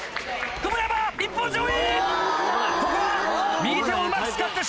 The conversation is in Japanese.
久保山一本背負！